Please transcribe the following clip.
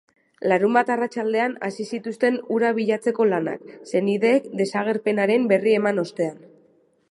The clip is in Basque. Larunbat arratsaldean hasi zituzten hura bilatzeko lanak, senideek desagerpenaren berri eman ostean.